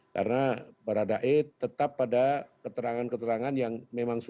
karena barada e tetap pada keterangan keterangan yang memang sudah